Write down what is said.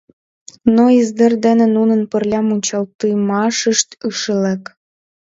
Но издер дене нунын пырля мунчалтымашышт ыш лек.